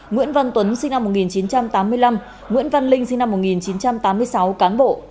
nguyễn văn tuấn sinh năm một nghìn chín trăm tám mươi năm nguyễn văn linh sinh năm một nghìn chín trăm tám mươi sáu cán bộ